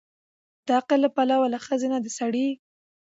د عقل له پلوه له ښځې نه د سړي